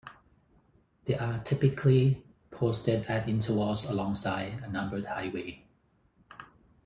They are typically posted at intervals alongside a numbered highway.